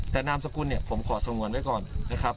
แต่นามสกุลเนี่ยผมขอสงวนไว้ก่อนนะครับ